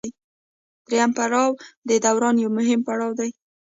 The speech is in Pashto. دریم پړاو د دوران یو مهم پړاو دی